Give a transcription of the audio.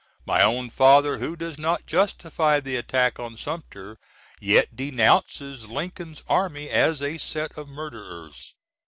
My own Father who does not justify the attack on Sumter, yet denounces Lin's army as a set of _Murderers!